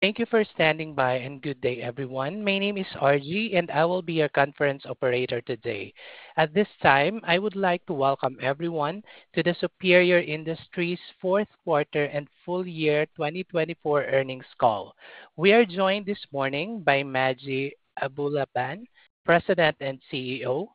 Thank you for standing by, and good day, everyone. My name is RG, and I will be your conference operator today. At this time, I would like to welcome everyone to the Superior Industries Fourth Quarter and Full Year 2024 Earnings Call. We are joined this morning by Majdi Abulaban, President and CEO;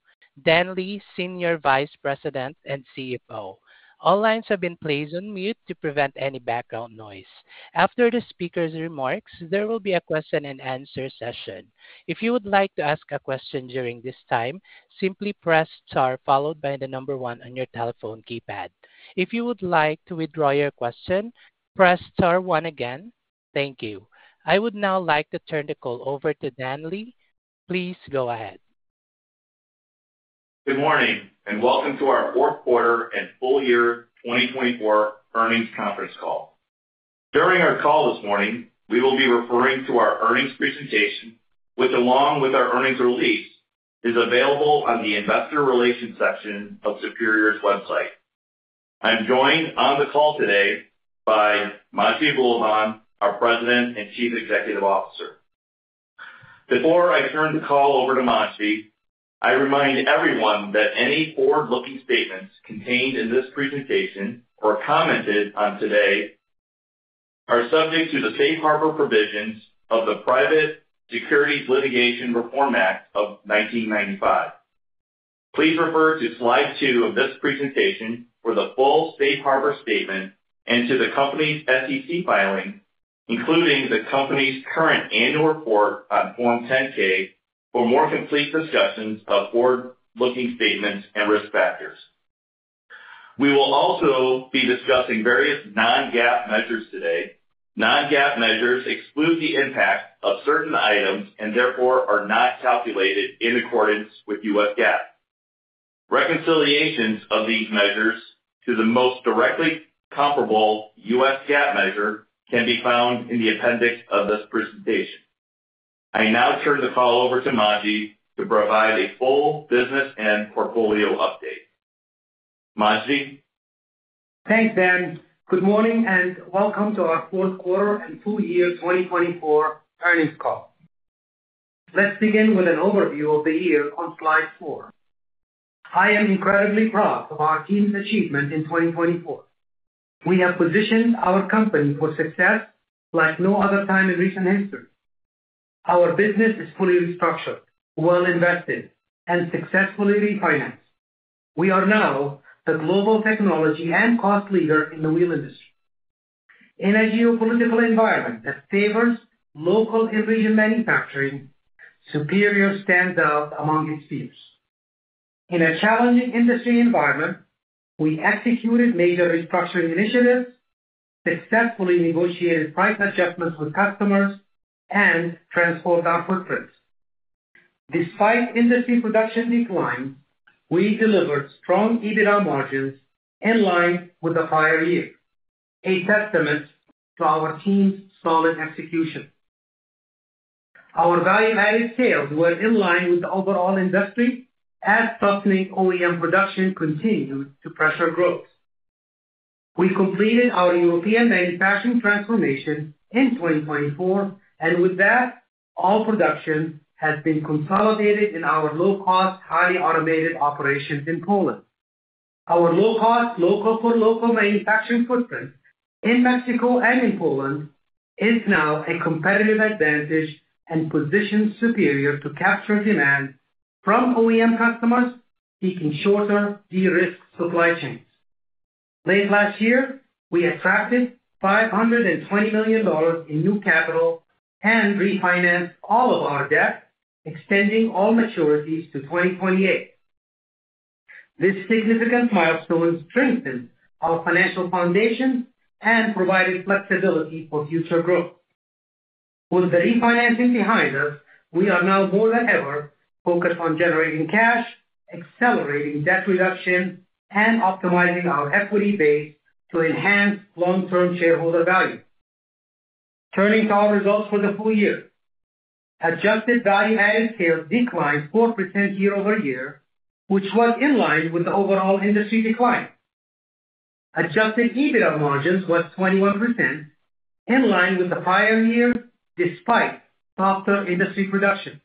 Dan Lee, Senior Vice President and CFO. All lines have been placed on mute to prevent any background noise. After the speakers' remarks, there will be a question-and-answer session. If you would like to ask a question during this time, simply press star followed by the number one on your telephone keypad. If you would like to withdraw your question, press star again. Thank you. I would now like to turn the call over to Dan Lee. Please go ahead. Good morning, and welcome to our Fourth Quarter and Full Year 2024 Earnings Conference Call. During our call this morning, we will be referring to our earnings presentation, which, along with our earnings release, is available on the Investor Relations section of Superior's website. I'm joined on the call today by Majdi Abulaban, our President and Chief Executive Officer. Before I turn the call over to Majdi, I remind everyone that any forward-looking statements contained in this presentation or commented on today are subject to the safe harbor provisions of the Private Securities Litigation Reform Act of 1995. Please refer to slide 2 of this presentation for the full safe harbor statement and to the company's SEC filing, including the company's current annual report on Form 10-K, for more complete discussions of forward-looking statements and risk factors. We will also be discussing various non-GAAP measures today. Non-GAAP measures exclude the impact of certain items and therefore are not calculated in accordance with U.S. GAAP. Reconciliations of these measures to the most directly comparable U.S. GAAP measure can be found in the appendix of this presentation. I now turn the call over to Majdi to provide a full business and portfolio update. Majdi? Thanks, Dan. Good morning, and welcome to our fourth quarter and full year 2024 earnings call. Let's begin with an overview of the year on slide 4. I am incredibly proud of our team's achievement in 2024. We have positioned our company for success like no other time in recent history. Our business is fully restructured, well-invested, and successfully refinanced. We are now the global technology and cost leader in the wheel industry. In a geopolitical environment that favors local and regional manufacturing, Superior stands out among its peers. In a challenging industry environment, we executed major restructuring initiatives, successfully negotiated price adjustments with customers, and transformed our footprint. Despite industry production decline, we delivered strong EBITDA margins in line with the prior year, a testament to our team's solid execution. Our value-added sales were in line with the overall industry, as softening OEM production continued to pressure growth. We completed our European manufacturing transformation in 2024, and with that, all production has been consolidated in our low-cost, highly automated operations in Poland. Our low-cost, local-for-local manufacturing footprint in Mexico and in Poland is now a competitive advantage and positioned Superior to capture demand from OEM customers, seeking shorter, de-risked supply chains. Late last year, we attracted $520 million in new capital and refinanced all of our debt, extending all maturities to 2028. This significant milestone strengthened our financial foundation and provided flexibility for future growth. With the refinancing behind us, we are now more than ever focused on generating cash, accelerating debt reduction, and optimizing our equity base to enhance long-term shareholder value. Turning to our results for the full year, adjusted value-added sales declined 4% year over year, which was in line with the overall industry decline. Adjusted EBITDA margins were 21%, in line with the prior year despite softer industry production.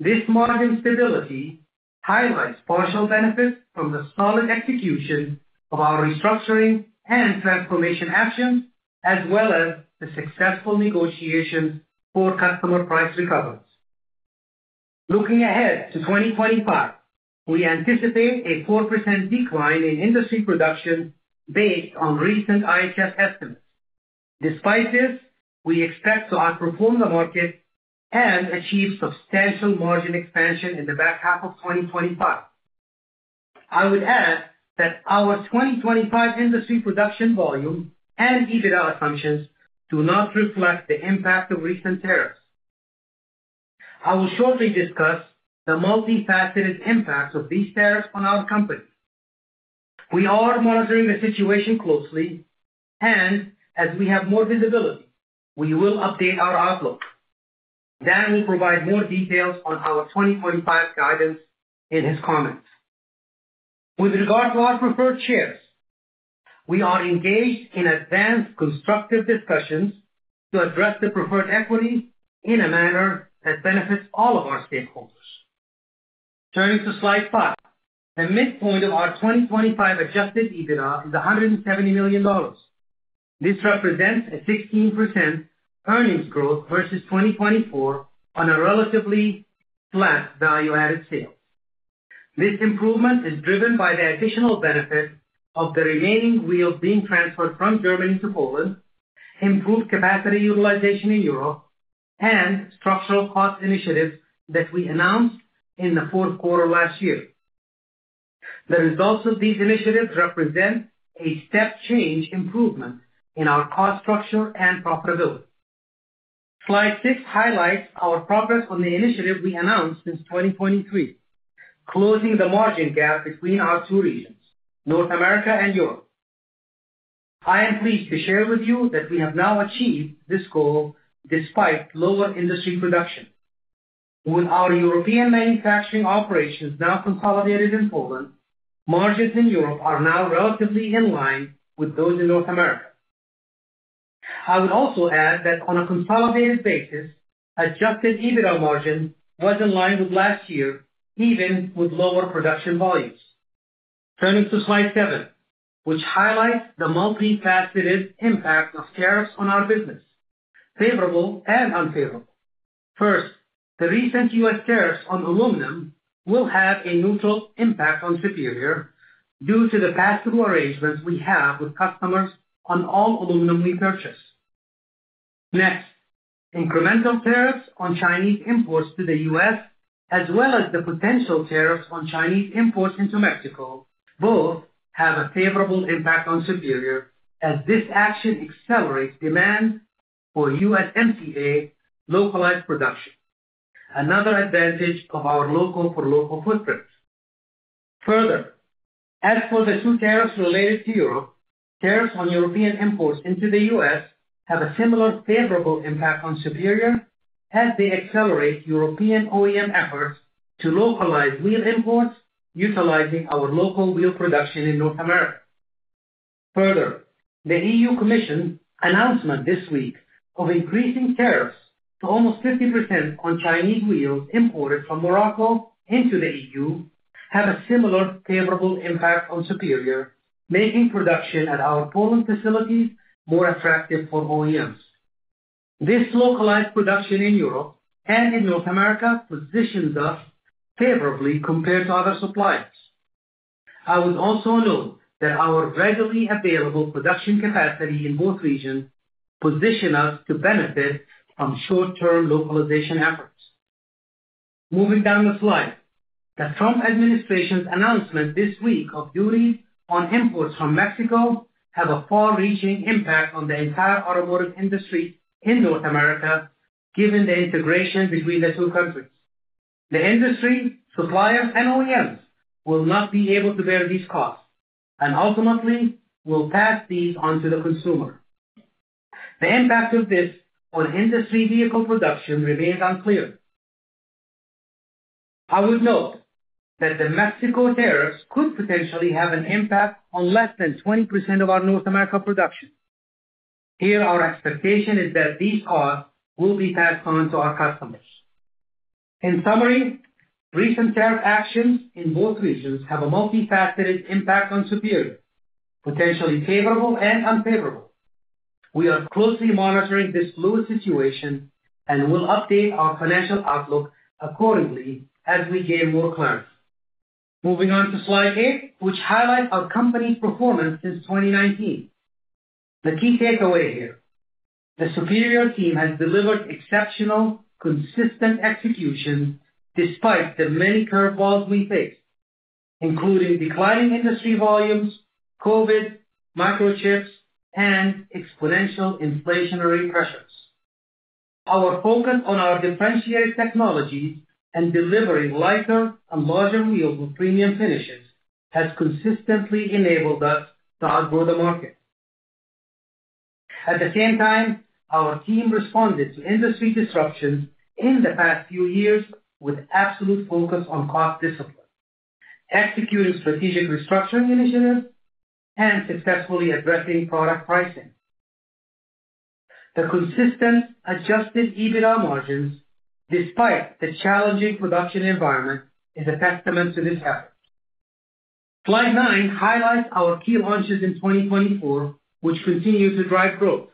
This margin stability highlights partial benefits from the solid execution of our restructuring and transformation actions, as well as the successful negotiations for customer price recoveries. Looking ahead to 2025, we anticipate a 4% decline in industry production based on recent IHS estimates. Despite this, we expect to outperform the market and achieve substantial margin expansion in the back half of 2025. I would add that our 2025 industry production volume and EBITDA assumptions do not reflect the impact of recent tariffs. I will shortly discuss the multifaceted impacts of these tariffs on our company. We are monitoring the situation closely, and as we have more visibility, we will update our outlook. Dan will provide more details on our 2025 guidance in his comments. With regard to our preferred shares, we are engaged in advanced constructive discussions to address the preferred equity in a manner that benefits all of our stakeholders. Turning to slide 5, the midpoint of our 2025 adjusted EBITDA is $170 million. This represents a 16% earnings growth versus 2024 on a relatively flat value-added sales. This improvement is driven by the additional benefit of the remaining wheels being transferred from Germany to Poland, improved capacity utilization in Europe, and structural cost initiatives that we announced in the fourth quarter last year. The results of these initiatives represent a step-change improvement in our cost structure and profitability. Slide 6 highlights our progress on the initiative we announced since 2023, closing the margin gap between our two regions, North America and Europe. I am pleased to share with you that we have now achieved this goal despite lower industry production. With our European manufacturing operations now consolidated in Poland, margins in Europe are now relatively in line with those in North America. I would also add that on a consolidated basis, adjusted EBITDA margin was in line with last year, even with lower production volumes. Turning to slide 7, which highlights the multifaceted impact of tariffs on our business, favorable and unfavorable. First, the recent U.S. tariffs on aluminum will have a neutral impact on Superior due to the pass-through arrangements we have with customers on all aluminum we purchase. Next, incremental tariffs on Chinese imports to the U.S., as well as the potential tariffs on Chinese imports into Mexico, both have a favorable impact on Superior as this action accelerates demand for USMCA localized production, another advantage of our local-for-local footprint. Further, as for the two tariffs related to Europe, tariffs on European imports into the U.S. have a similar favorable impact on Superior as they accelerate European OEM efforts to localize wheel imports utilizing our local wheel production in North America. Further, the EU Commission's announcement this week of increasing tariffs to almost 50% on Chinese wheels imported from Morocco into the EU has a similar favorable impact on Superior, making production at our Poland facilities more attractive for OEMs. This localized production in Europe and in North America positions us favorably compared to other suppliers. I would also note that our readily available production capacity in both regions positions us to benefit from short-term localization efforts. Moving down the slide, the Trump administration's announcement this week of duties on imports from Mexico has a far-reaching impact on the entire automotive industry in North America, given the integration between the two countries. The industry, suppliers, and OEMs will not be able to bear these costs and ultimately will pass these on to the consumer. The impact of this on industry vehicle production remains unclear. I would note that the Mexico tariffs could potentially have an impact on less than 20% of our North America production. Here, our expectation is that these costs will be passed on to our customers. In summary, recent tariff actions in both regions have a multifaceted impact on Superior, potentially favorable and unfavorable. We are closely monitoring this fluid situation and will update our financial outlook accordingly as we gain more clarity. Moving on to Slide 8, which highlights our company's performance since 2019. The key takeaway here: the Superior team has delivered exceptional, consistent execution despite the many curveballs we faced, including declining industry volumes, COVID, microchips, and exponential inflationary pressures. Our focus on our differentiated technologies and delivering lighter and larger wheels with premium finishes has consistently enabled us to outgrow the market. At the same time, our team responded to industry disruptions in the past few years with absolute focus on cost discipline, executing strategic restructuring initiatives, and successfully addressing product pricing. The consistent adjusted EBITDA margins, despite the challenging production environment, are a testament to this effort. Slide 9 highlights our key launches in 2024, which continue to drive growth.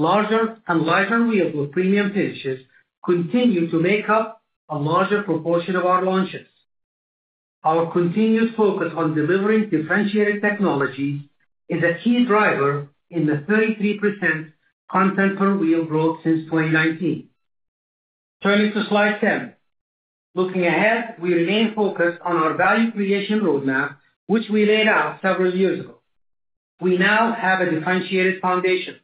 Larger and lighter wheels with premium finishes continue to make up a larger proportion of our launches. Our continued focus on delivering differentiated technologies is a key driver in the 33% content-per-wheel growth since 2019. Turning to slide 10, looking ahead, we remain focused on our value creation roadmap, which we laid out several years ago. We now have a differentiated foundation,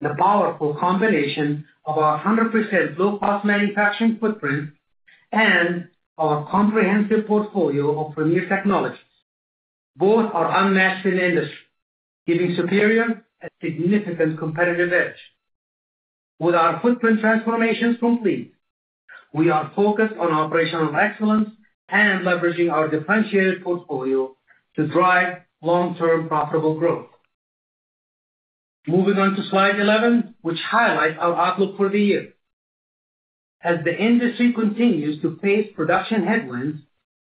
the powerful combination of our 100% low-cost manufacturing footprint and our comprehensive portfolio of premier technologies. Both are unmatched in the industry, giving Superior a significant competitive edge. With our footprint transformations complete, we are focused on operational excellence and leveraging our differentiated portfolio to drive long-term profitable growth. Moving on to slide 11, which highlights our outlook for the year. As the industry continues to face production headwinds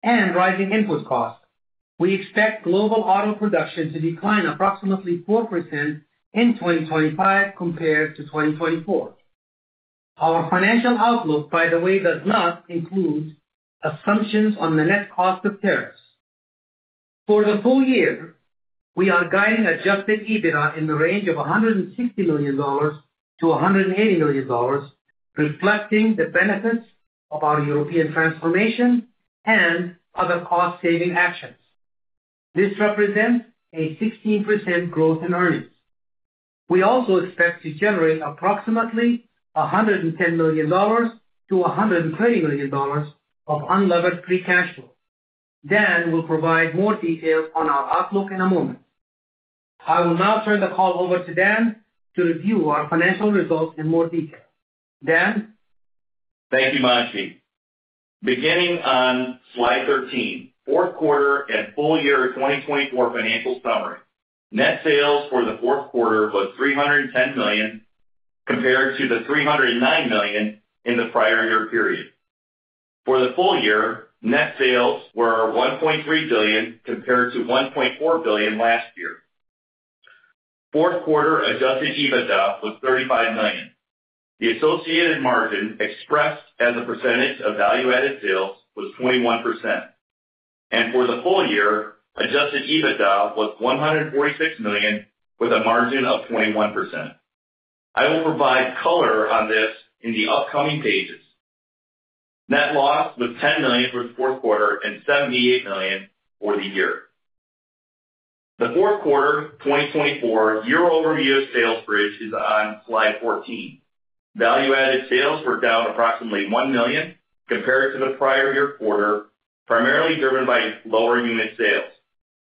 and rising input costs, we expect global auto production to decline approximately 4% in 2025 compared to 2024. Our financial outlook, by the way, does not include assumptions on the net cost of tariffs. For the full year, we are guiding adjusted EBITDA in the range of $160 million-$180 million, reflecting the benefits of our European transformation and other cost-saving actions. This represents a 16% growth in earnings. We also expect to generate approximately $110 million-$120 million of unlevered free cash flow. Dan will provide more details on our outlook in a moment. I will now turn the call over to Dan to review our financial results in more detail. Dan? Thank you, Majdi. Beginning on slide 13, fourth quarter and full year 2024 financial summary. Net sales for the fourth quarter was $310 million compared to the $309 million in the prior year period. For the full year, net sales were $1.3 billion compared to $1.4 billion last year. Fourth quarter adjusted EBITDA was $35 million. The associated margin expressed as a percentage of value-added sales was 21%. For the full year, adjusted EBITDA was $146 million with a margin of 21%. I will provide color on this in the upcoming pages. Net loss was $10 million for the fourth quarter and $78 million for the year. The fourth quarter 2024 year-over-year sales bridge is on slide 14. Value-added sales were down approximately $1 million compared to the prior year quarter, primarily driven by lower unit sales,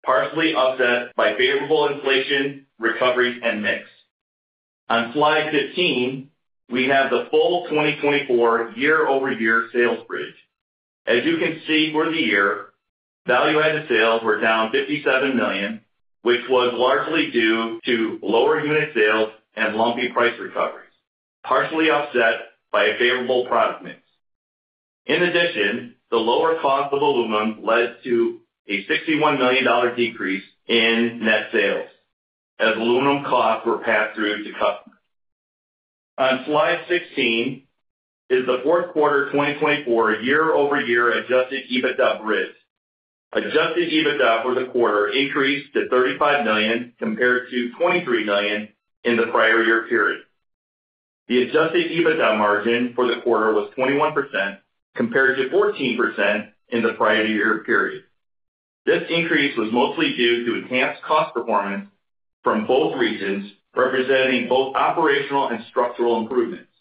partially offset by favorable inflation, recovery, and mix. On slide 15, we have the full 2024 year-over-year sales bridge. As you can see for the year, value-added sales were down $57 million, which was largely due to lower unit sales and lumpy price recoveries, partially offset by a favorable product mix. In addition, the lower cost of aluminum led to a $61 million decrease in net sales as aluminum costs were passed through to customers. On slide 16 is the fourth quarter 2024 year-over-year adjusted EBITDA bridge. Adjusted EBITDA for the quarter increased to $35 million compared to $23 million in the prior year period. The adjusted EBITDA margin for the quarter was 21% compared to 14% in the prior year period. This increase was mostly due to enhanced cost performance from both regions, representing both operational and structural improvements.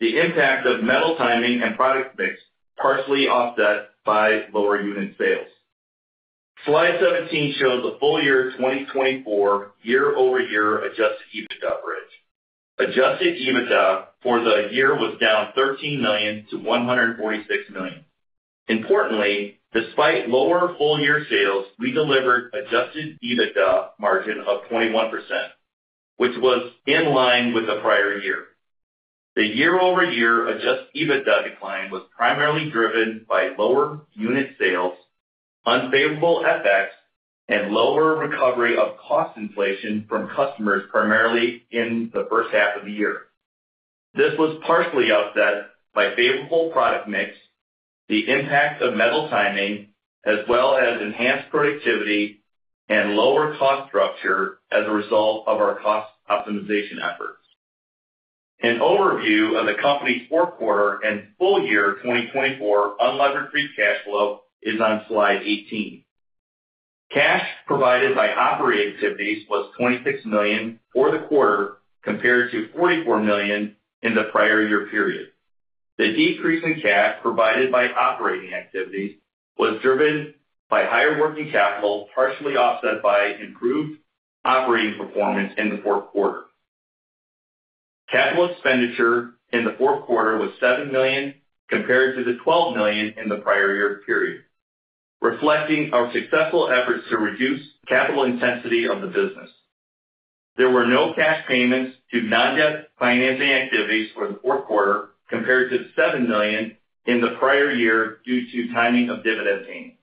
The impact of metal timing and product mix partially offset by lower unit sales. Slide 17 shows the full year 2024 year-over-year adjusted EBITDA bridge. Adjusted EBITDA for the year was down $13 million to $146 million. Importantly, despite lower full-year sales, we delivered adjusted EBITDA margin of 21%, which was in line with the prior year. The year-over-year adjusted EBITDA decline was primarily driven by lower unit sales, unfavorable, and lower recovery of cost inflation from customers primarily in the first half of the year. This was partially offset by favorable product mix, the impact of metal timing, as well as enhanced productivity and lower cost structure as a result of our cost optimization efforts. An overview of the company's fourth quarter and full year 2024 unlevered free cash flow is on slide 18. Cash provided by operating activities was $26 million for the quarter compared to $44 million in the prior year period. The decrease in cash provided by operating activities was driven by higher working capital, partially offset by improved operating performance in the fourth quarter. Capital expenditure in the fourth quarter was $7 million compared to the $12 million in the prior year period, reflecting our successful efforts to reduce capital intensity of the business. There were no cash payments to non-debt financing activities for the fourth quarter compared to the $7 million in the prior year due to timing of dividend payments.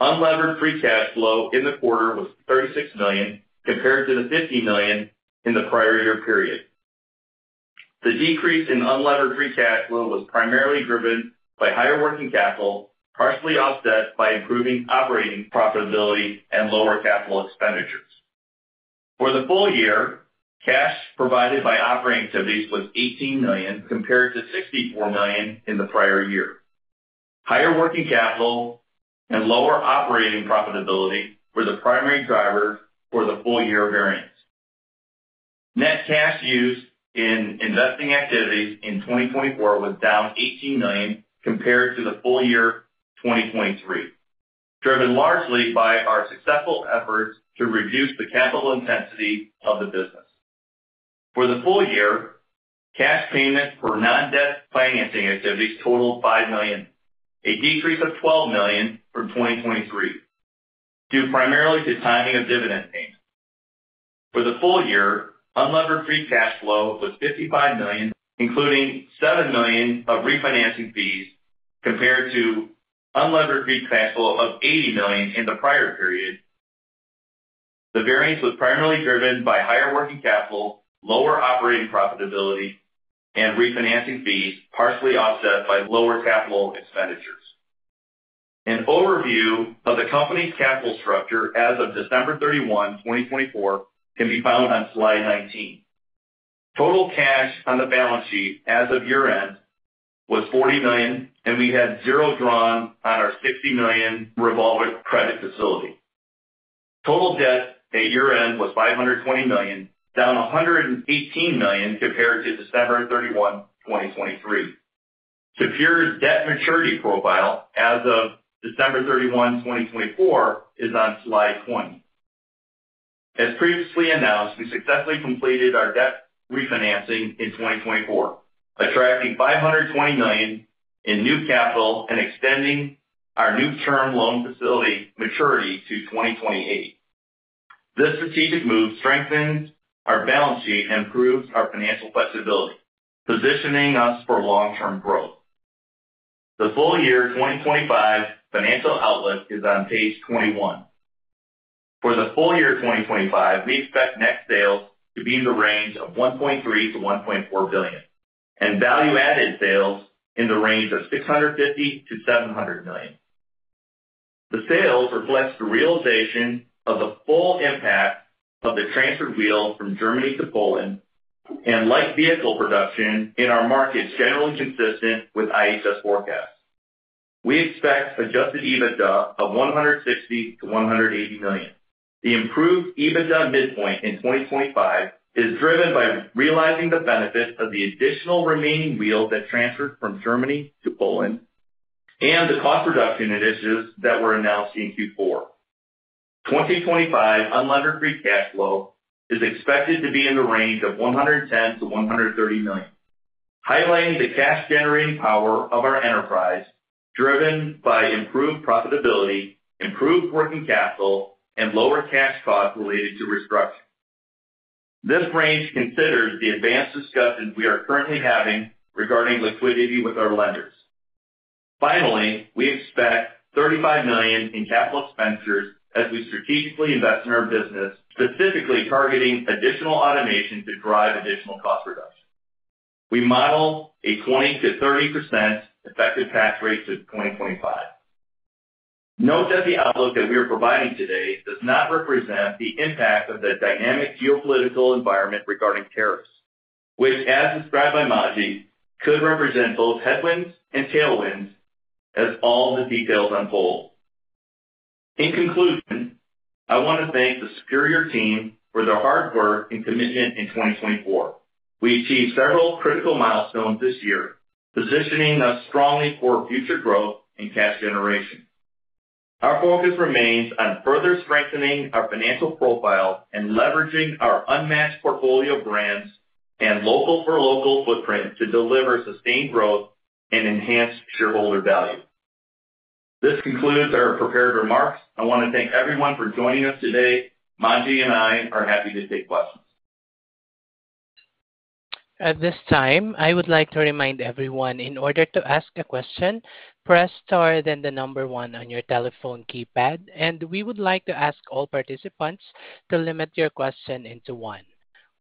Unlevered free cash flow in the quarter was $36 million compared to the $50 million in the prior year period. The decrease in unlevered free cash flow was primarily driven by higher working capital, partially offset by improving operating profitability and lower capital expenditures. For the full year, cash provided by operating activities was $18 million compared to $64 million in the prior year. Higher working capital and lower operating profitability were the primary drivers for the full-year variance. Net cash used in investing activities in 2024 was down $18 million compared to the full year 2023, driven largely by our successful efforts to reduce the capital intensity of the business. For the full year, cash payments for non-debt financing activities totaled $5 million, a decrease of $12 million from 2023, due primarily to timing of dividend payments. For the full year, unlevered free cash flow was $55 million, including $7 million of refinancing fees compared to unlevered free cash flow of $80 million in the prior period. The variance was primarily driven by higher working capital, lower operating profitability, and refinancing fees, partially offset by lower capital expenditures. An overview of the company's capital structure as of December 31, 2024, can be found on slide 19. Total cash on the balance sheet as of year-end was $49 million, and we had zero drawn on our $60 million revolving credit facility. Total debt at year-end was $520 million, down $118 million compared to December 31, 2023. Superior's debt maturity profile as of December 31, 2024, is on slide 20. As previously announced, we successfully completed our debt refinancing in 2024, attracting $529 million in new capital and extending our new-term loan facility maturity to 2028. This strategic move strengthens our balance sheet and improves our financial flexibility, positioning us for long-term growth. The full year 2025 financial outlook is on page 21. For the full year 2025, we expect net sales to be in the range of $1.3 billion-$1.4 billion, and value-added sales in the range of $650 million-$700 million. The sales reflect the realization of the full impact of the transfer wheel from Germany to Poland and light vehicle production in our markets generally consistent with IHS forecasts. We expect adjusted EBITDA of $160 million-$180 million. The improved EBITDA midpoint in 2025 is driven by realizing the benefits of the additional remaining wheel that transferred from Germany to Poland and the cost reduction initiatives that were announced in Q4. 2025 unlevered free cash flow is expected to be in the range of $110-$130 million, highlighting the cash-generating power of our enterprise driven by improved profitability, improved working capital, and lower cash costs related to restructuring. This range considers the advanced discussions we are currently having regarding liquidity with our lenders. Finally, we expect $35 million in capital expenditures as we strategically invest in our business, specifically targeting additional automation to drive additional cost reduction. We model a 20%-30% effective tax rate to 2025. Note that the outlook that we are providing today does not represent the impact of the dynamic geopolitical environment regarding tariffs, which, as described by Majdi, could represent both headwinds and tailwinds as all the details unfold. In conclusion, I want to thank the Superior team for their hard work and commitment in 2024. We achieved several critical milestones this year, positioning us strongly for future growth and cash generation. Our focus remains on further strengthening our financial profile and leveraging our unmatched portfolio brands and local-for-local footprint to deliver sustained growth and enhanced shareholder value. This concludes our prepared remarks. I want to thank everyone for joining us today. Majdi and I are happy to take questions. At this time, I would like to remind everyone in order to ask a question, press star then the number one on your telephone keypad, and we would like to ask all participants to limit your question into one.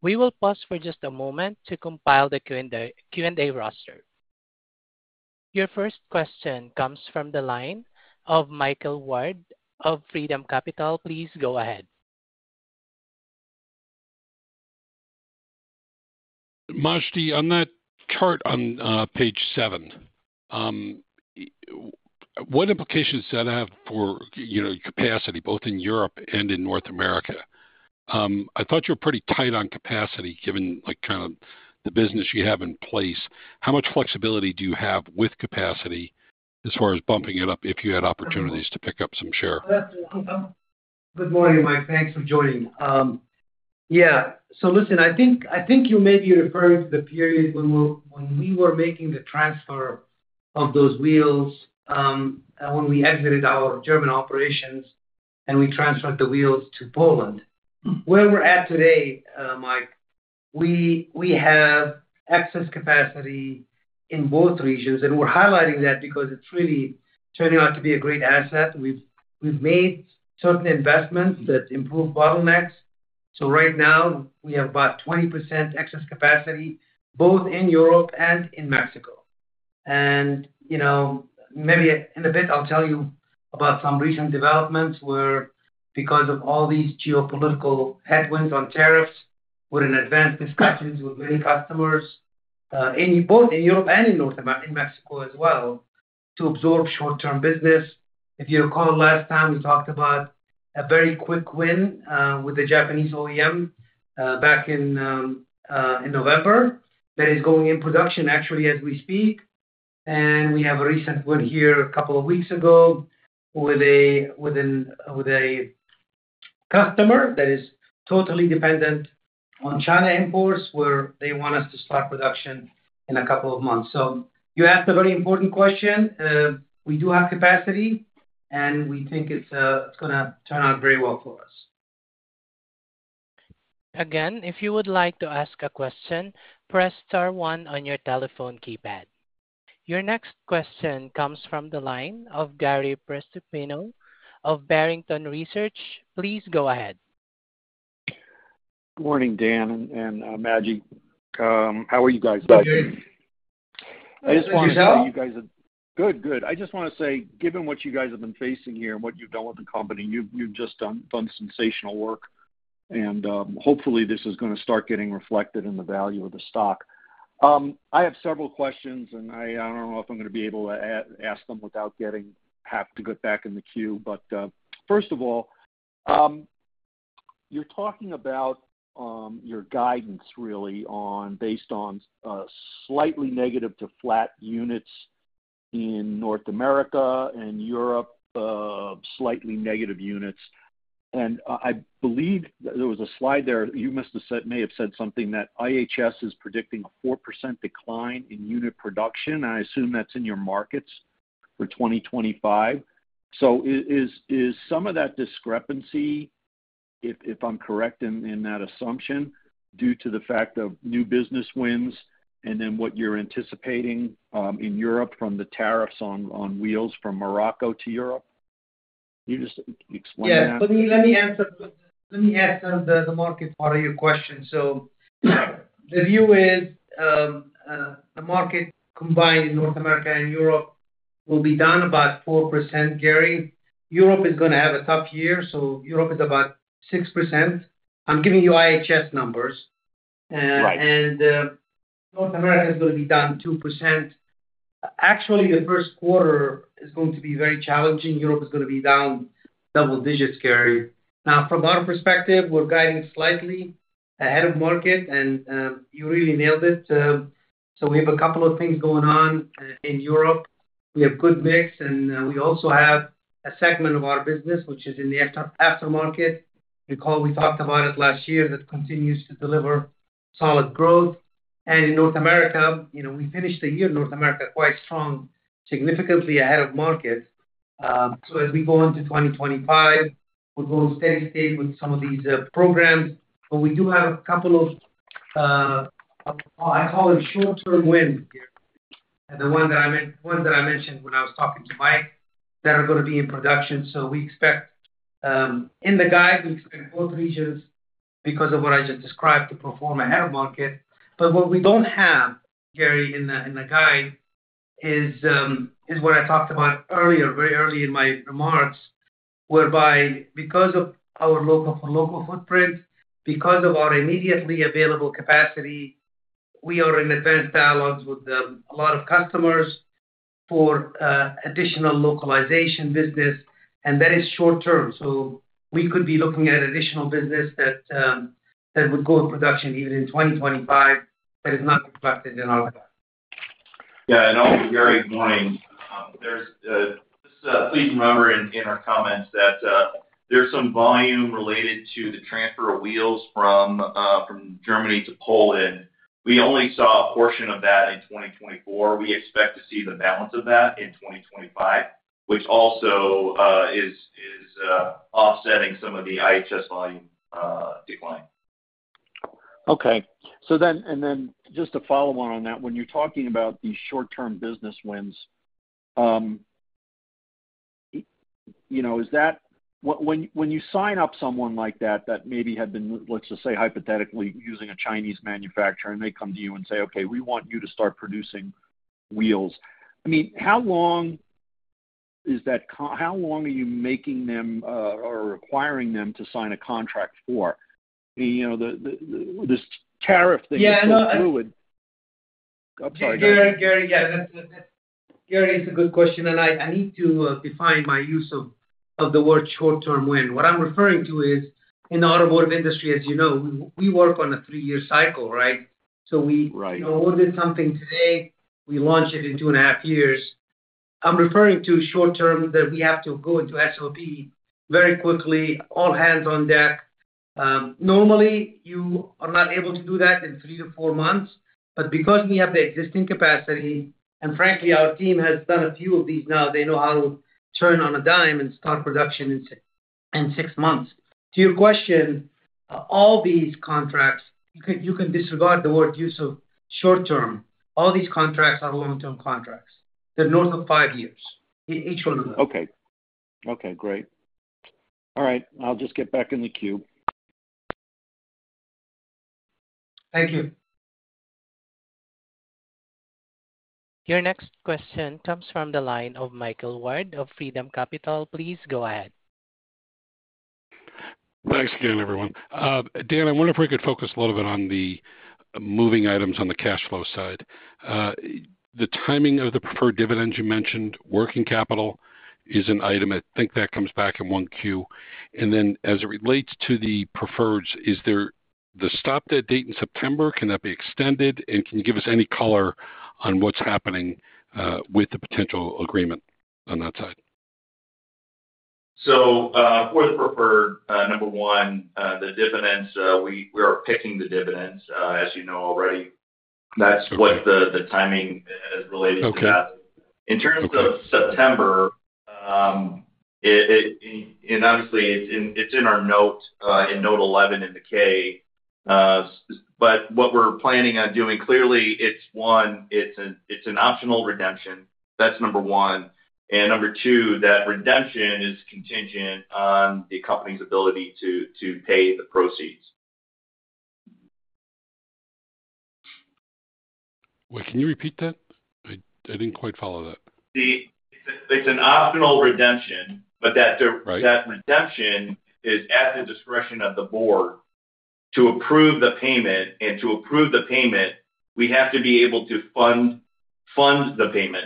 We will pause for just a moment to compile the Q&A roster. Your first question comes from the line of Michael Ward of Freedom Capital. Please go ahead. Majdi, on that chart on page seven, what implications does that have for capacity both in Europe and in North America? I thought you were pretty tight on capacity given kind of the business you have in place. How much flexibility do you have with capacity as far as bumping it up if you had opportunities to pick up some share? Good morning, Mike. Thanks for joining. Yeah. Listen, I think you may be referring to the period when we were making the transfer of those wheels when we exited our German operations and we transferred the wheels to Poland. Where we're at today, Mike, we have excess capacity in both regions, and we're highlighting that because it's really turning out to be a great asset. We've made certain investments that improve bottlenecks. Right now, we have about 20% excess capacity both in Europe and in Mexico. Maybe in a bit, I'll tell you about some recent developments where, because of all these geopolitical headwinds on tariffs, we're in advanced discussions with many customers both in Europe and in Mexico as well to absorb short-term business. If you recall, last time we talked about a very quick win with the Japanese OEM back in November that is going in production actually as we speak. We have a recent win here a couple of weeks ago with a customer that is totally dependent on China imports where they want us to start production in a couple of months. You asked a very important question. We do have capacity, and we think it's going to turn out very well for us. If you would like to ask a question, press star one on your telephone keypad. Your next question comes from the line of Gary Prestopino of Barrington Research. Please go ahead. Good morning, Dan and Majdi. How are you guys? Good. Good. Good. I just want to say, given what you guys have been facing here and what you've done with the company, you've just done sensational work. Hopefully, this is going to start getting reflected in the value of the stock. I have several questions, and I don't know if I'm going to be able to ask them without getting half to get back in the queue. First of all, you're talking about your guidance, really, based on slightly negative to flat units in North America and Europe, slightly negative units. I believe there was a slide there. You must have said, may have said something that IHS is predicting a 4% decline in unit production. I assume that's in your markets for 2025. Is some of that discrepancy, if I'm correct in that assumption, due to the fact of new business wins and then what you're anticipating in Europe from the tariffs on wheels from Morocco to Europe? Can you just explain that? Yeah. Let me answer the market part of your question. The view is the market combined in North America and Europe will be down about 4%, Gary. Europe is going to have a tough year. Europe is about 6%. I'm giving you IHS numbers. North America is going to be down 2%. Actually, the first quarter is going to be very challenging. Europe is going to be down double digits, Gary. From our perspective, we're guiding slightly ahead of market, and you really nailed it. We have a couple of things going on in Europe. We have good mix, and we also have a segment of our business which is in the aftermarket. Recall we talked about it last year that continues to deliver solid growth. In North America, we finished the year in North America quite strong, significantly ahead of market. As we go into 2025, we're going steady state with some of these programs. We do have a couple of, I call them, short-term wins here, the ones that I mentioned when I was talking to Mike, that are going to be in production. In the guide, we expect both regions because of what I just described to perform ahead of market. What we don't have, Gary, in the guide is what I talked about earlier, very early in my remarks, whereby because of our local-for-local footprint, because of our immediately available capacity, we are in advanced dialogues with a lot of customers for additional localization business, and that is short-term. We could be looking at additional business that would go in production even in 2025 that is not reflected in our guide. Yeah. Also, Gary, good morning. Please remember in our comments that there's some volume related to the transfer of wheels from Germany to Poland. We only saw a portion of that in 2024. We expect to see the balance of that in 2025, which also is offsetting some of the IHS volume decline. Okay. Just to follow on on that, when you're talking about these short-term business wins, when you sign up someone like that that maybe had been, let's just say hypothetically, using a Chinese manufacturer, and they come to you and say, "Okay, we want you to start producing wheels," I mean, how long is that? How long are you making them or requiring them to sign a contract for? This tariff thing is so fluid. I'm sorry. Gary, yeah. That's a good question. I need to define my use of the word short-term win. What I'm referring to is in the automotive industry, as you know, we work on a three-year cycle, right? So we ordered something today. We launch it in two and a half years. I'm referring to short-term that we have to go into SOP very quickly, all hands on deck. Normally, you are not able to do that in three to four months. Because we have the existing capacity, and frankly, our team has done a few of these now, they know how to turn on a dime and start production in six months. To your question, all these contracts, you can disregard the word use of short-term. All these contracts are long-term contracts. They're north of five years in each one of those. Okay. Okay. Great. All right. I'll just get back in the queue. Thank you. Your next question comes from the line of Michael Ward of Freedom Capital. Please go ahead. Thanks again, everyone. Dan, I wonder if we could focus a little bit on the moving items on the cash flow side. The timing of the preferred dividends you mentioned, working capital is an item. I think that comes back in one Q. As it relates to the preferreds, is there the stop dead date in September? Can that be extended? Can you give us any color on what's happening with the potential agreement on that side? For the preferred, number one, the dividends, we are PIKing the dividends, as you know already. That's what the timing is related to. In terms of September, and obviously, it's in our note in note 11 in the K. What we're planning on doing, clearly, it's one, it's an optional redemption. That's number one. Number two, that redemption is contingent on the company's ability to pay the proceeds. Can you repeat that? I didn't quite follow that. It's an optional redemption, but that redemption is at the discretion of the board to approve the payment. To approve the payment, we have to be able to fund the payment.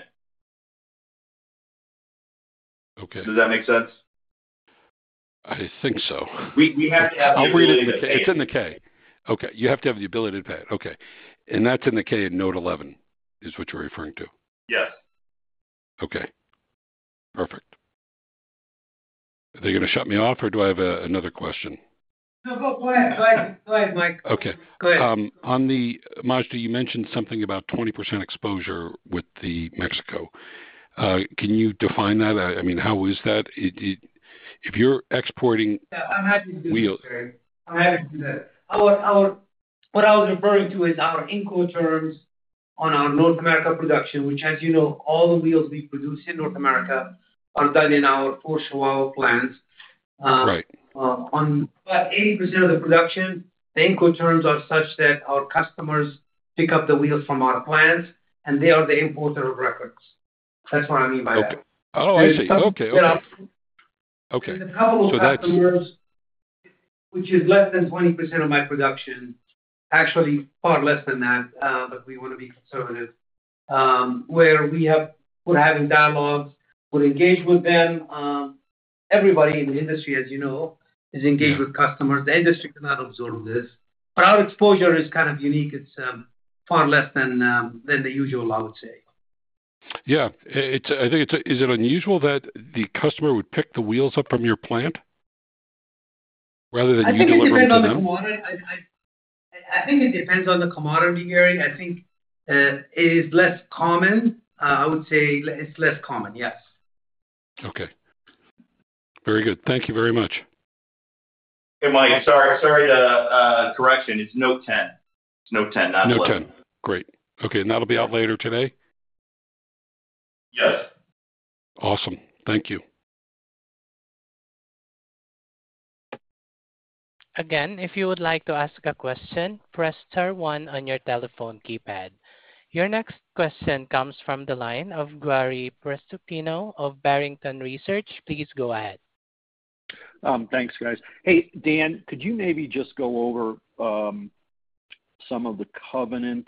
Does that make sense? I think so. We have to have the ability to pay. It's in the K. Okay. You have to have the ability to pay it. Okay. That's in the K in note 11, is what you're referring to? Yes. Okay. Perfect. Are they going to shut me off, or do I have another question? No, go ahead. Go ahead, Mike. Go ahead. Okay. Majdi, you mentioned something about 20% exposure with Mexico. Can you define that? I mean, how is that? If you're exporting wheels. I'm happy to do that. What I was referring to is our Incoterms on our North America production, which, as you know, all the wheels we produce in North America are done in our Chihuahua plants. Eighty percent of the production, the Incoterms are such that our customers pick up the wheels from our plants, and they are the importer of record. That's what I mean by that. Oh, I see. Okay. Okay. There's a couple of customers, which is less than 20% of my production, actually far less than that, but we want to be conservative, where we're having dialogues. We're engaged with them. Everybody in the industry, as you know, is engaged with customers. The industry cannot absorb this. Our exposure is kind of unique. It's far less than the usual, I would say. Yeah.Is it unusual that the customer would pick the wheels up from your plant rather than you deliver them? I think it depends on the commodity. I think it depends on the commodity, Gary. I think it is less common. I would say it's less common, yes. Okay. Very good. Thank you very much. Hey, Mike. Sorry. Correction. It's note 10. It's note 10. Not 11. Note 10. Great. Okay. And that'll be out later today? Yes. Awesome. Thank you. Again, if you would like to ask a question, press star one on your telephone keypad. Your next question comes from the line of Gary Prestopino of Barrington Research. Please go ahead. Thanks, guys. Hey, Dan, could you maybe just go over some of the covenant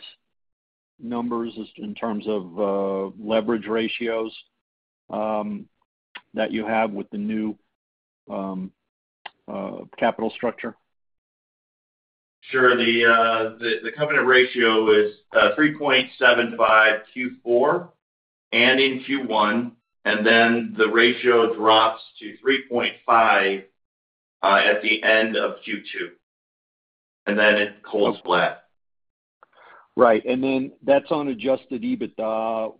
numbers in terms of leverage ratios that you have with the new capital structure? Sure.The covenant ratio is 3.75 Q4 and in Q1, and then the ratio drops to 3.5 at the end of Q2. It holds flat. Right. That is on adjusted EBITDA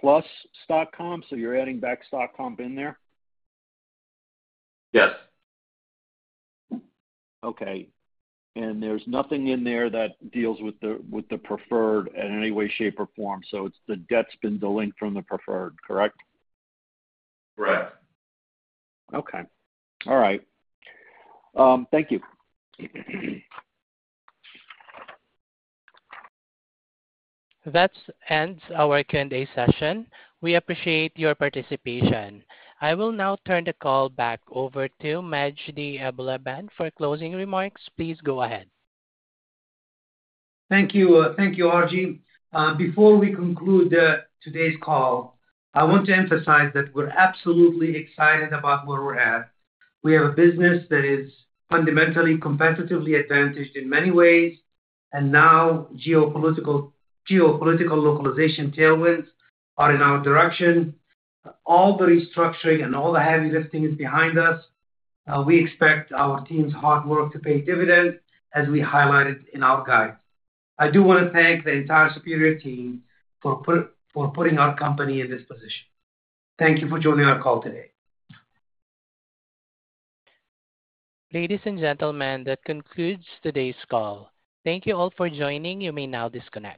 plus stock comp, so you're adding back stock comp in there? Yes. Okay. There is nothing in there that deals with the preferred in any way, shape, or form. The debt's been de-linked from the preferred, correct? Correct. Okay. All right. Thank you. That ends our Q&A session. We appreciate your participation. I will now turn the call back over to Majdi Abulaban for closing remarks. Please go ahead. Thank you, RG. Before we conclude today's call, I want to emphasize that we're absolutely excited about where we're at. We have a business that is fundamentally competitively advantaged in many ways. Geopolitical localization tailwinds are in our direction. All the restructuring and all the heavy lifting is behind us. We expect our team's hard work to pay dividends, as we highlighted in our guide. I do want to thank the entire Superior team for putting our company in this position. Thank you for joining our call today. Ladies and gentlemen, that concludes today's call. Thank you all for joining. You may now disconnect.